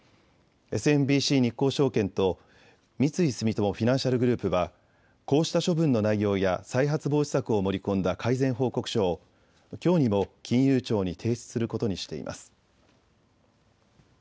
ＳＭＢＣ日興証券と三井住友フィナンシャルグループはこうした処分の内容や再発防止策を盛り込んだ改善報告書をきょうにも金融庁に提出することにしています。